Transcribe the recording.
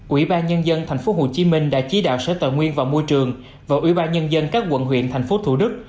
ủy ban nhân dân tp hcm đã chỉ đạo sở tài nguyên và môi trường và ủy ban nhân dân các quận huyện thành phố thủ đức